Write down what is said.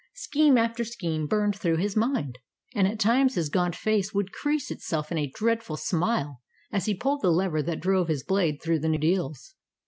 Scheme after scheme burned through his mind, and at times his gaunt face would crease itself in a dreadful smile as he pulled the lever that drove his blade through the deals.